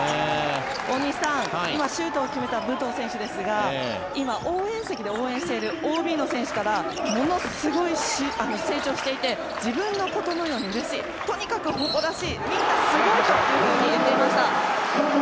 大西さん、今シュートを決めた武藤選手ですが今、応援席で応援しているＯＢの選手からものすごい成長していて自分のことのようにうれしいとにかく誇らしいみんなすごいと言っていました。